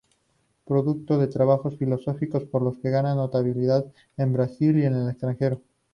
Produjo trabajos filosóficos, por los que gana notabilidad en Brasil y en el extranjero.